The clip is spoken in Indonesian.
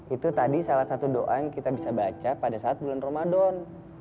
itu tadi salah satu doa yang kita bisa baca pada saat bulan ramadan